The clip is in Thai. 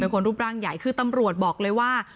คนรูปร่างใหญ่คือตำรวจบอกเลยว่า